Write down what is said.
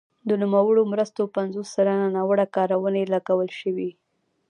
د نوموړو مرستو پنځوس سلنه ناوړه کارونې لګول شوي.